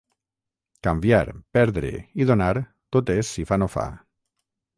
Canviar, perdre i donar, tot és si fa no fa.